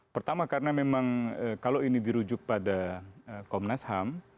pertama karena memang kalau ini dirujuk pada komnas ham